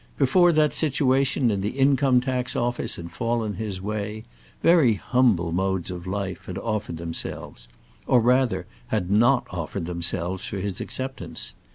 Before that situation in the Income tax Office had fallen in his way, very humble modes of life had offered themselves, or, rather, had not offered themselves for his acceptance.